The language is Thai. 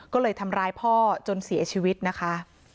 ก็เลยทำร้ายพ่อจนเสียชีวิตนะคะ